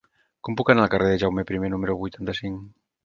Com puc anar al carrer de Jaume I número vuitanta-cinc?